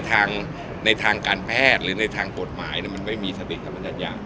แต่ในทางการแพทย์หรือในทางกฎหมายมันไม่มีสติสัมพันธญา